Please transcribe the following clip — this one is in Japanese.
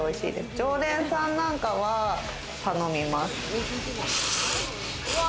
常連さんなんかは頼みます。